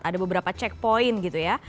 ada beberapa checkpoint gitu ya